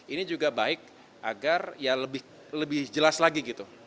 ini juga baik agar ya lebih jelas lagi gitu